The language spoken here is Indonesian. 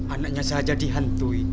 anaknya saja dihantui